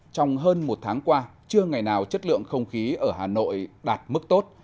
trong hơn một tháng qua chưa ngày nào chất lượng không khí ở hà nội đạt mức tốt